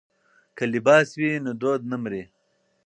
که لباس وي نو دود نه مري.